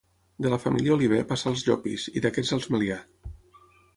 De la família Oliver passà als Llopis i d'aquests als Melià.